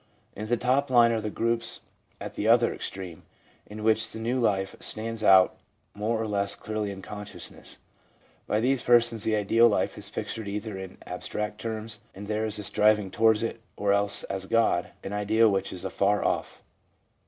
In the top line are the groups at the other extreme, in which the new life stands out more or less clearly in consciousness. By these persons the ideal life is pictured either in abstract terms, and there is a striving towards it, or else as God, an ideal which is afar off.